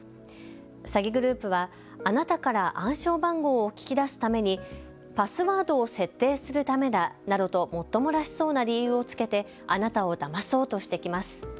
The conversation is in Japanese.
詐欺グループはあなたから暗証暗号を聞き出すためにパスワードを設定するためだなどと、もっともらしそうな理由をつけてあなたをだまそうとしてきます。